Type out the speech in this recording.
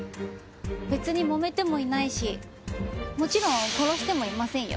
別にもめてもいないしもちろん殺してもいませんよ。